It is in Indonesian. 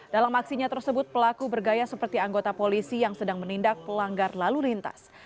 dalam aksinya tersebut pelaku bergaya seperti anggota polisi yang sedang menindak pelanggar lalu lintas